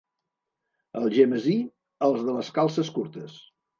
Algemesí, els de les calces curtes.